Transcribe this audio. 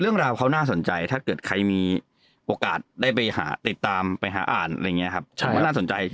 เรื่องราวเขาน่าสนใจถ้าเกิดใครมีโอกาสได้ไปหาอ่าน